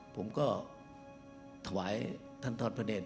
ผมก็ถวายท่านทอดพระเด็จ